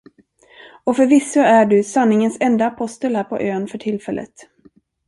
Och förvisso är du sanningens enda apostel här på ön för tillfället.